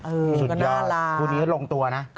สุดยอดพูดดีแล้วลงตัวนะน่ารัก